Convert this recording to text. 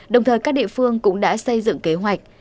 đồng thời các địa phương cũng đã xây dựng kế hoạch